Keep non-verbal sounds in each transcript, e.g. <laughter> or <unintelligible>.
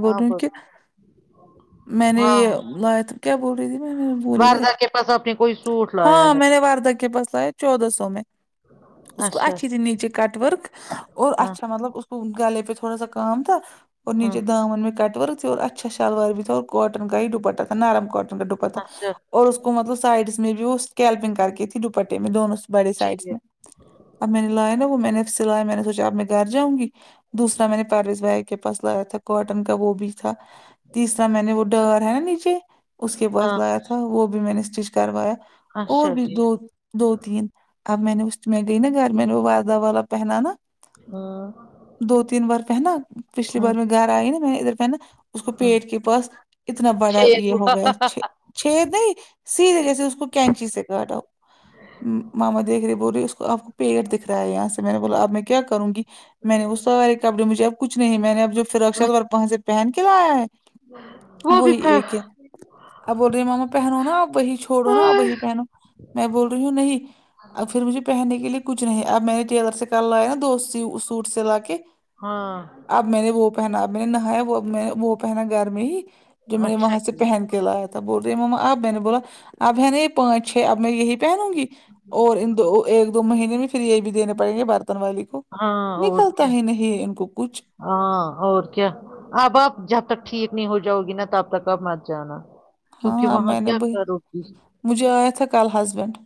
بول رہی ہ کہ میں نے یہ لایا تھا کیا بول رہی تھی میں نے باردار کے پاس اپنی ہاں میں نے واردک کے پس آئے چودہ سو میں اس کو اچھا اچھی تھی نیچے کٹ ورک اور ہاں اچھا مطلب گھرے پ تھوڑا سام تو ہاں امون میں کٹ ورک اور اچھا شلار بھی اور کاٹن کایئی ڈپا نرم کاٹن کائے ڈپہ ت تھا اچھا اور اس کو مطلب سائڈس میں بھی وہ اسکیلپنگ کر کے تھی دوپٹے میں دونوں بڑے ٹھیک سائڈس ہے میں <unintelligible> اب میں نے لایا نا وہ میں نے اب سلایا میں نے سوچاب میں گھر جاں گی <unintelligible> دوسر میں نے پارس بھائی کے پا لایا تھا کاٹن کا وہ بھی تھا تیسرا میں نے وہ ڈر ہے نا نیچے اس کے پاس ہاں لایا وہ بھی میں نے اس چیز کروایا اور اچھا بھی ٹھیک دو <unintelligible> دو تین اب میں نے اس میں گئی نا گھر میں نے وہ ودہ والا پہناان نا ہاں دو تین بار پہنا پچھلی ہوں بار میں گھر آئی نا میں ادھر پہنا اس کو ہوں پیٹ کے پاس اتنا بڑا یہ ہو گیا چھ اچھے چھید د سیدھے جیسے اس کو کینچی سے کاٹا محمد دری بول رہی اس کو آپ کو پیڑ دکھ رہا ہے یہاں سے میں نے بولا اب میں کیا کروں گی میں نے وہ سارے کپڑے مجھے اب کچھ نہیں ہے میں نے اب جو فراک شرار وہاں سے پہن کے لایا ہے وہ بھی وہی پ ایک ہے اب بول رہی ماما پہنو نا آپ وہی چھوڑو نا اپ وہی پہنو میں بول رہی ہوں نہیں اب پھر مجھے پہننے کے لیے کچھ نہیں اب میں نے ٹیلر سے کل لایا نا دو سوٹ سے لا کے ہاں <unintelligible> اب میں نے وہ پہنا اب میں نے نہایا وہ نے وہ پہنا گھر میں ہی جو میں نے اچھا وہاں سے کیا پہن کے <unintelligible> کلایا تھا بول رہی ماما اب میں نے بولا اب ہے نا یہ پانچ چھ اب میں یہی <unintelligible> پہنوں گی اور ان دو ایک دو مہینے میں فھر یہ بھی دینے پڑیں گے برتن والی ہاں <unintelligible> اور کیا نکلتا ہی نہیں ان کو کچھ <unintelligible> ہاں اور کیا آب آپ جب تک ٹھیک نہیں ہو جؤ گی نا تب تک آپ مت جانا کیونکہ ہاں وہاں میں نے کیا ب کرو گی مجھے آیا تھا کل ہسبینڈ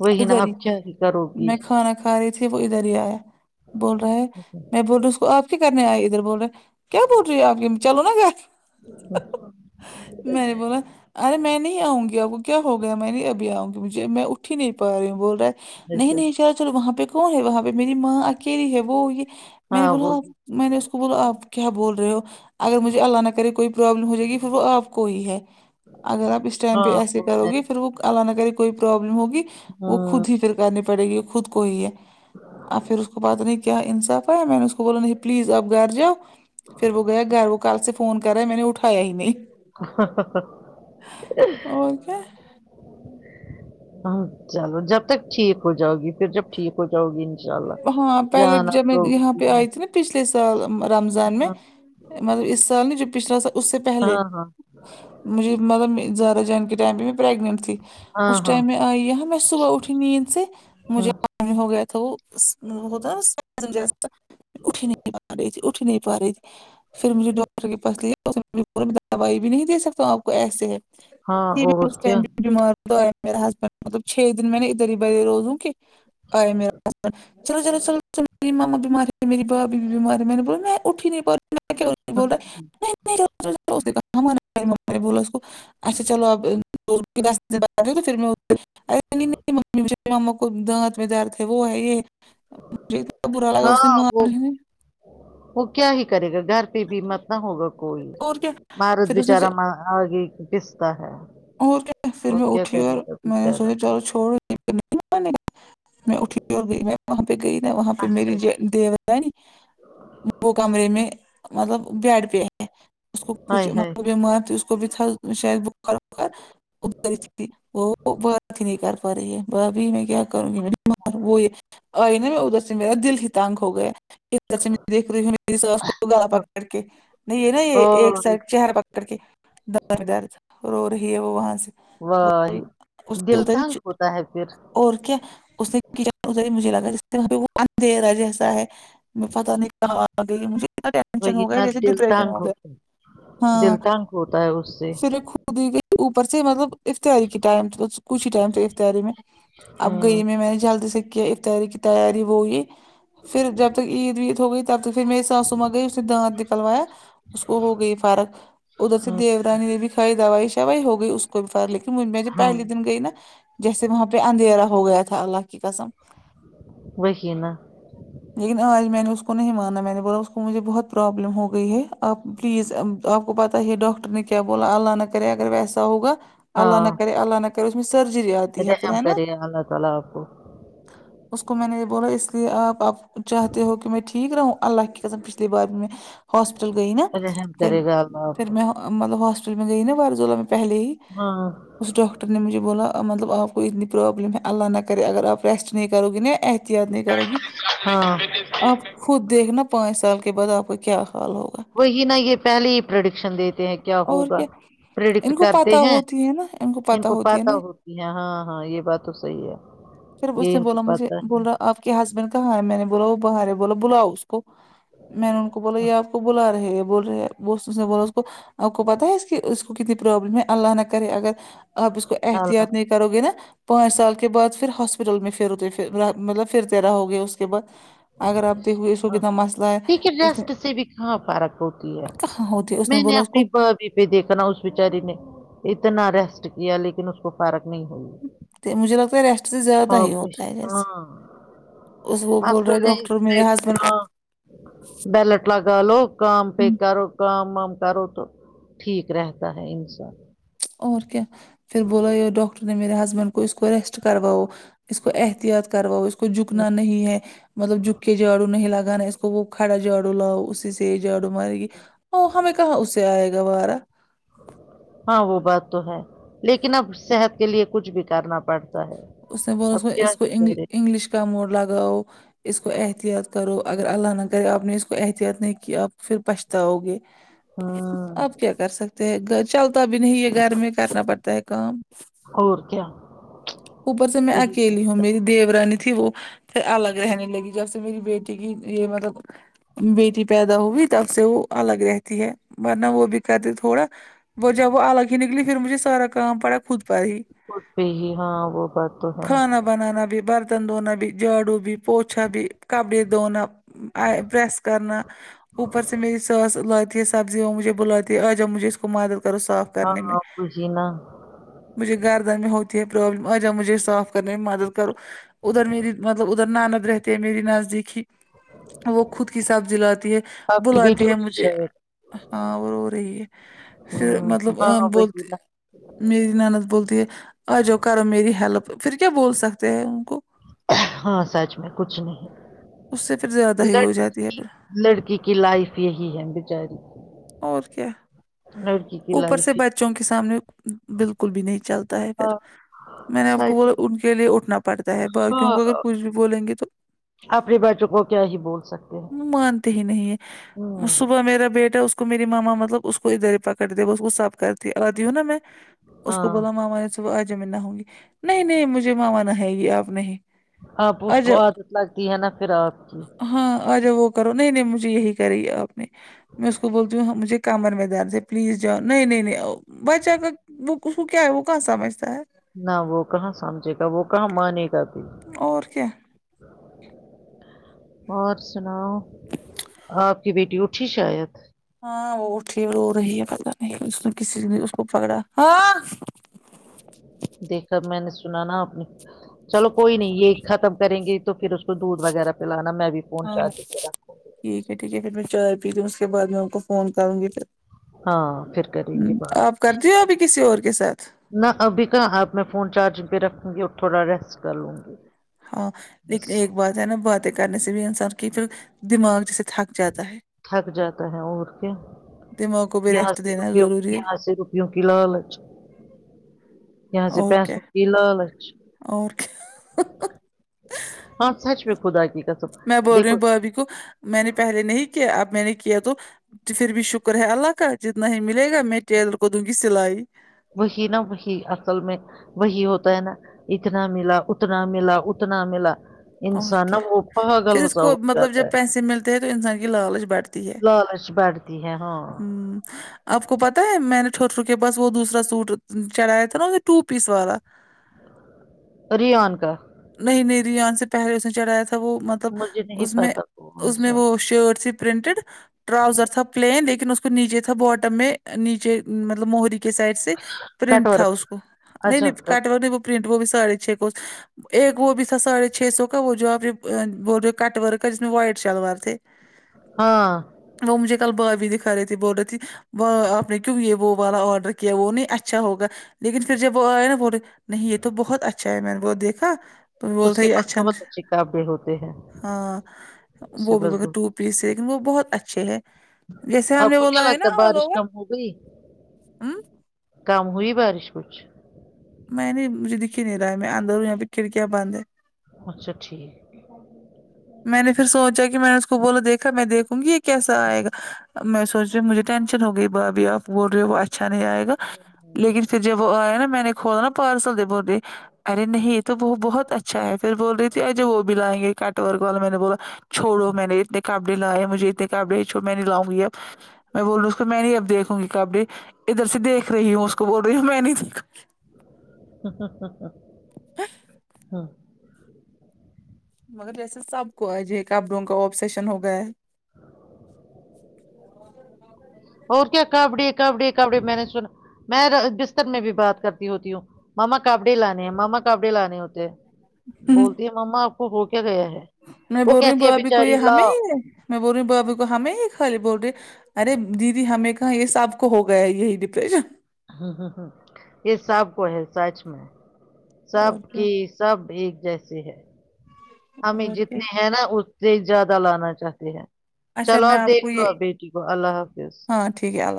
وہی نا ادھر ہی آپ کیا کرو گی میں کھانا ھا رہی تھی وہ ادھر ہی آیا بول رہا ہے میں بول رہ ہوں اس کو آپ کرنے آئے ادھر بول رہے کیا بول رہی ہے آپ کی چلو نا گھر ا <unintelligible> میں نے بولا ارے میں نہیں آؤں گی اپ کو کیا ہو گیا میں نہیں ابھی آؤں گ مجھے میں اٹھ ہی نہیں پا رہی ہوں بول رہا نہیں اچھا نہیں چارا چلو وہاں پہ کون ہے وہاں پہ میری ماں اکیلی ہے وہ یہ میں نے ہاں وہ بولا میں نے اس کو بولا آپ کیا بول رہے ہو اگر مجھے اللہ نہ کرے کوئی پروابلم ہو جائے گی پھر وہ آپ کوئی ہے اگر آپ اس ٹائم ہاں پہ ایسے وہ کرو ہے گے پھر وہ ال نہ کری کوئی پروابلم ہوگی وہ خود ہی ہاں پھر کرنی پڑے گی خود کو ہی ہے اب پھر اس کو بات نہیں کیا انصاف ہے میں نے اس کو بول پلیز آپ گھر جؤ پھر وہ گیا گھر وہ کل سے فون کر رہا ہے میں نے اٹھایا ہی نہیں اور کیا ہ ہاں چلو جب تک ٹھیک ہو جاؤ گی پھر جب ٹھیک ہو جاؤ گی ان شاء اللہ ہاں پہلے جان جب میں آپگ یہاں پہ آئی تھی نا پچھلے سال رمضان میں مطلب اس سال نے جو پچھلا سال اس سے پہلے ہاں ہاں مجھے مطلب زیادہ جان کے ٹائم پہ میں پریگنٹ تھی ہاں اس ہاں ٹائم میں آئیاں میں صبح اٹھی نیند سے ہاں مجھے ہو گیا تھا وہ ہوتا ناس اٹھی نہیں پا رہی تھی اٹھی نہیں پا رہی تھی پھر مجھے ڈاکٹر کے پاس لیا دوائی بھی نہیں دے سکتا ہوں آپ کو ایسے ہے ہاں بھی اور اس کیا ٹائم بھی بیمار تو آئے میرا ہسبینڈ مطلب چھ دن میں نے ادھر ہی بھرے روزوں کہ آئے میرا چلو چلو چلو میری ماما بیماری میری باب بھی بیماراری ہے میں نے بول میں اٹھی نہیں پ رہ اچھا چلو آپ رتے باہ توھر میں اے مے ماما کو دانت میں در وہ ہے یہ مجھے اتنا برا لگا اس نے ہاں وہ منگان وہ کیا ہی کرے گا گھر پہ بھی مت نہ ہوگا کوئی اور کیا مارت پھر اس نے بیچارا گی قستا ہے اور کیا پھر وہ میں کیا اٹھی کرے اور گا میں نے بیچارہ سوچا چل چھوڑ میں اٹھی اور گئی وہاں پہ گئی ن وہاں پہ اچھا میری دیوتا ہے وہ کمرے میں مطلب بیڈ پہ ہے اس کو کچھ ہائے م ہائے بیمار اس کو بھی تھا شاید بار ا تھی وہ ب تھی نہیں کر پی ببھی میں کیا کروں گی میں وہ آئی نا ادھر سے میرا دل ہی تانگ ہو گیا ھر سے دیکھ میری سس کو گا پکڑ کے نہیں یہ نا یہ ایک اور سائڈ چہر پک کر کے درد درد رو رہی ہے وہ وہاں سے وہی اس نے ادھر ہی دلٹھانگ ہوتا ہے پھر اور کیا اس نے کچ مجھے لگا ج وہ دے رہا ہے جیسا ہے میں پتہ نہیں کہ آ گئی مجھے اتنا وہ ٹینشن ہو گیا نہ جیسے دل ڈپریشن تانگ ہو گیا ہوتا ہے دل تانگ ہوتا ہے اس سے صرف خود ہی کے اوپر سے مطلب افطاری کی ٹائم کچھ ہی ٹائم تھاے افطاری میں اب ہاں گئی میں میں نے جلدی سے کیا کی تیاری وہی پھر جب تک عید وید ہو گئی تب تک پھر میری ساسو میں آ گئی اس نے دانت نکلوایا اس کو ہو گئی فارک ادھر سے ہاں دیو رانی نے بھی کھائی دوائی شائی ہو گئی اس کو کوئی فرق لیکن مجھ میں جو ہاں پہلے دن گئی نا جیسے وہاں پہ اندھیرا ہو گیا تھا اللہ کی قسم وہقینہ لیکن آج میں نے اس کو نہیں مانا میں نے بولا اس کو مجھے بہت پرابلم ہو گئی ہے آپ پلیز تو آپ کو پتہ ہی ڈاکٹر نے کیا بولا اللہ نہ کرے اگر ویسا ہوگا اللہ نہ ہاں کرے اللہ نہ کرے اس میں سرجری آتی ہے پھر رحم ہے نا کرے گا اللہ تعالی آپ کو اس کو میں نے یہ بولا اس لیے آپپ چاہتے ہو کہ میں ٹھیک رہوں اللہ کی پچھلی بار بھی ہاسپٹل گئی نا رحم پھر کرے گا اللہ آپ پھر کو مطلباسپٹل میں گئی نا برزوللہ میں پہلے ہی ہاں اس ڈاکٹر نے مجھے بولا مطلب آپ کو اتنی پرابلم ہے اللہ نہ کرے اگر آپ ریسٹ نہیں کرو گے ن یاد نہیں کرو گی ہاں آپ خود دیکھناا پانچ سال کے بعد آپ کا کیا حال ہوگا وہی نہ یہ پہلے ہی پروڈکشن دیتے ہیں اور کیا پرڈکٹ ان کو کرتے پتہ ہیں ہوتی ہے نا ان پتہ کو ہوتی ہے نا پتاہ ہوتی ہے ہاں ہاں یہ بات تو صحیح ہے پھر اس یہ نے ان کو بولا مجھے پتہ بول ہے رہا آپ کے ہسبینڈ کہاں ہے میں نے بولا وہ باہر ہے بولا بلاؤ اس میں نے ان کو بولا یہ آپ کو بلا رہے ہے بول رہے ب نے بولا آپ کو پتا ہے اس کی اس کو کتنی پروابلم ہے اللہ نہ کرے اگر آپ اس کو اللہ احتیاط نہیں کرو گے نا پانچ سال کے بعد پھر ہاسپٹل میں پھر ہوتے مطلب پھرتے رہو گے اس کے بعد اگر آبتے ہوئے اس کو ہاں کتنا مسئلہ ہے دیکھیے اس ریسٹ سے بھی کہاں فرق ہوتی ہے کہاں ہوتی میں نے بولا اس کو اپنی پہ دیکھنا اس بچاری نے اتنا ریسٹ کیا لیکن اس کو فارک نہیں ہوئی مجھے لگتا ہے ریسٹ سے زیادہ ہی ہوتا آپریش- ہے جیسے ہاں اس بول رہے اصل ہے اس ڈاکٹر میرے میں ہسبینڈ ہاں بیلٹ لگا لو کام پے ہوں کرو کام وم کرو تو ٹھیک رہتا ہے انسان اور کیا پھر بولا ی ڈاکٹر نے میرے ہسبینڈ کو اس کو ریسٹ کرواؤ اس کو احتیاط کرواؤ اس کو جھکنا نہیں ہے مطلب جھک کے جھاڑو نہیں لگانا اس کو اس کو وہ کھڑا جھاڑو لاؤ اسی سے جاڑو مارے گی او ہمیں کہاں اس سے آئے گا وارہ ہاں وہ بات تو ہے لیکن اب صحت کے لیے کچھ بھی کرنا پڑتا ہے اس نے ب اس اب کیا اس کو ہی کرے انگلش کا موڈ لگاؤ اس کو احتیاط کرو اگر اللہ نہہ کرے آپ نے اس کو احتیاط نہیں کیا آپ پھر پچھتاؤ گے ہاں اپ کیا کر سکتے ہیں گ چلتا بھی نہیں یہ گھر میں کرنا پڑتا ہے کام اور کیا اوپر سے میں وہی بات اکیلی ہوں ہے۔ میری دیو رانی تھی وہ پھر الگ رہنے لگی جب سے میری بیٹی کی یہ مطلب بیٹی پیدا ہوئی تب سے وہ الگ رہتی ہے ورنہ وہ بھی کرتے تھوڑا وہ جب وہ الگ ہی نکلی پھر مجھے سارا کام پڑا خود پر ہی ک پی ہی ہاں وہ بات تو ہے کھانا بنانا بھی برتن دھونا بھی جھاڑو بھی پوچھا بھی کپڑے دھونا پریس کرنا اوپر سے میری ساس لاتی ہے سبزیا وہ مجھے بلاتی آجب مجھے اس کو مدد کرو صاف کرنے میں ہاں وہی نا مجھے گھردن میں ہوتی ہے پرابلم آ جاؤ مجھے صاف کرنے میں مدد کرو ادھر میری مطلب اد ادھر ناند رہتے ہیں میری نزدیکی وہ خود کی سبزی لاتی ہے آپ کی بیٹی بلاتی ہے اٹھی مجھے شاید ہاں وہ ر رہی ہے پھر ہوں مطلب ہاں وہی بولتے نا میری نند بولتی ہے آ جاؤ کرو میری ہیلپ پھر کیا بول سکتے ہیں ان کو ہاں سچ میں کچھ نہیں اس سے پھر زیادہ ہی ہو جاتی ہے پھر لڑکی کی لائف یہی ہے بچاری اور کیا لڑکی کی اوپر لائف سے ہی بچوں کے سامنے بالکل بھی نہیں چلتا ہے پھر ہاں میں نے آپکو سچ بولا میں ان کے لیے اٹھنا پڑتا ہے باقیوں کو اگر ہاں کچھ بھی بولیں گے تو اپنے بچوں کو کیا ہی بول سکتے ہیں مانتے ہی نہیں ہے ہوں صبح میرا بیٹا اس کو اس کو میری ماما مطلب اس کو ا درے پکڑ دییا اس کو صف کرتی آی ہوں نا میں اس کو ہاں بولا ماما نے صبح آ جم نہ ہوں گی نہیں نہیں مجھے ماماانا ہے گی آپ نہیں آپ اس کو آجا عادت لگتی ہے نا پھر آپ کی ہاں آ جاؤ وہ کرو نہیں نہیں مجھے یہی کری ہے آپ نے میں اس بولتی مجھے کمر میں درد پلیز جاؤ نہیں نہیں نہیں بچہ کا وہ اس کو کیا ہے وہ کہاں سمجھتا ہے نہ وہ کہاں سمجھے گا وہ کہاں مانے گا بھی اور کیا اور سناؤ آپ کی بیٹی اٹھی شاید ہاں وہ ٹ رو رہی ہے پت نہیں اس نے کسی اس کو پکڑا ہاں دیکھا میں نے سنا نا اپنی چلو کوئی نہیں یہ ختم کریں گے تو پھر اس کو دودھ وغیرہ پلانا میں بھی فون ہاں چارج کرا ٹھیک ہے ٹھیک ہے پھر میں چائے پیتی ہوں اس کے بعد میں ان کو فون کروں گی پھر ہاں پھر کریں گی بات کر د ہو ابھی کسی اور کے ساتھ نہ ابھی کہاں آپ میں فون چارجنگ پہ رکھوں گی اور تھوڑا ریسٹ کر لوں گی ہاں بس لیکن ایک بات ہے نا باتیں کرنے سے بھی انسان کی پھر دماغ جیسے تھک جاتا ہے تھک جاتا ہے اور کیا دماغ کو بھی یہاں ریسٹ سے دینا رپ ضروری ہے یہاں سے روپیوں کی لالچ یہاں سے اور کیا پیسوں کی لالچ اور کیا ہاں سچ میں خدا کی کسم میں بول رہی دیکھو ہوں بھابھی کو میں نے پہلے نہیں کیا اب میں نے کیا تو تو پھر بھی شکر ہے اللہ کا جتنا ہی ملے گا میں ٹیلر کو دوں گی سلائی وہحی نا بی اصل میں وہی ہوتا ہے نا اتنا ملا اتنا ملا اتنا ملا اور انسان نا کیا وہ پاگل پھر ہو اس سا ہو کو مطلب جاتا ہے جب پیسے ملتے ہیں تو انسان کی لالچ بٹھتی لالچ بڑتی ہے ہاں ہمم آپ کو پتاہ ہے میں نے ٹھوٹرو کے پاس وہ دوسرا سوٹ چڑھیا تھا نا اسے ٹو پیس والا ریان کا نہیں نہیں ریان سے پہلے اس نے چڑھایا تھا وہ ملب مطلب مجھے نہیں ا میں پتا ا کون میں سا وہ شرٹ س پرنٹڈ ٹراؤزر تھا پلین لیکن اس کو نیچے تھا باٹم میں نیچے مطلب موہری کے سائڈ پرنٹ تھا کٹورت اس کو نہیں نہیں کٹ و نہیں وہ پرنٹ وہ بھی ساھے چھ کو ایک وہ بھی تھا ساڑھے چھ سو کا وہ جو آپ یہ جو کٹ ورک کا جس میں وائٹ شلوار تھے ہاں وہ مجھے کل بابی دکھا رہی تھی بول رہے تھی آپ نے کیوں یہ وہ والا آرڈر کیا وہ نہیں اچھا ہوگا لیکن پھر جب وہ آئے نا پے نہیں یہ تو بہت اچھا ہے میں نے وہ دیکھا اس بولتا ہے کے یہ پاس اچھا بہت اچھے کپڑے ہوتے ہیں ہاں اس کے وہ بھی پاس مگر بہت ٹوپ پیس لیکن وہ بہت اچھے ہیں جیسے ہم آپ نے کو وہ کیا لائے نا لگتا ہے آل بارش اوور کم ہو گئی کم ہوئی بارش کچھ میں نہیں مجھے دکھ ہی نہیں رہا ہے میں اندر ہوں یہاں پہ کھڑکیا بند ہے اچھا ٹھیک میں نے پھر سوچا کہ میں نے اس کو بولو دیکا میں دیکھوں گی یہ کیسا آئے گا میں سوچ رہی مجھے ٹینشن ہو گئی بھابھی آپ بول رہے ہو اچھا نہیں آئے گا لیکن پھر جب آیا نا میں نے کھولا نا پارسل بول رہی ہے ارے نہیں یہ تو بہت اچھا ہے پھر بول رہی تھی آجے وہ بھی لائیں گے آٹ ور والا میں نے بولا چھوڑو میں نے اتنے کاپڑے لائے مجھے اتنے کاپڑ چو میں نہیں لاؤں گی اب میں بول رہی ہوں اس کو میں نہیں اب دیکھوں گی کپڑی ادھر سے دیکھ رہی ہوں اس کو بول رہی ہوں میں نہیں دیکھ ہاں مگر جیسے سب کو آج کپڑوں کا اب سیشن ہو گیا ہے اور کیا کپڑے کپڑے کپڑے میں نے سنا میں بستر میں بھی بات کرتی ہوتی ہوں ماما کاپڑے لانے ہیں ماما کاپڑے لانے ہوتے ہیں بولتی ہے ماما آپ کو ہو کیا گیا ہے میں وہ بول رہی ہو کہتی ہے بابی کو یہ بیچاری ہمیں لاؤ ہی میں بول رہی ہوں بابی کو ہمیں ہی خالی بول رہی ہے ارے دیدی ہمیں کہاں یہ سب کو ہو گیا ہے یہی ڈپریشن یہ سب کو ہے سچ میں سب اور کیا کی سب ایک جیسے ہے ہمیں اور کیا جتنے ہیں نا زیادہ لانا چاہتے ہیں اچھا چلو میں آپ کو دیکھ لو یہ آپ بیٹی کو اللہ حافظ ہاں ٹھیک ہے اللہ حافظ